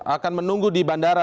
akan menunggu di bandara